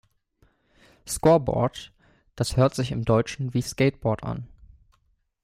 Scoreboard, das hört sich im Deutschen wie Skateboard an.